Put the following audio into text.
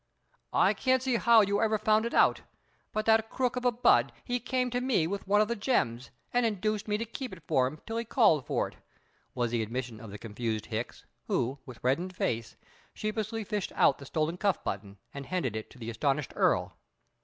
I can't see how you ever found it out, but that crook of a Budd he came to me with one of the gems, and induced me to keep it for him till he called for it," was the admission of the confused Hicks, who, with reddened face, sheepishly fished out the stolen cuff button and handed it to the astonished Earl.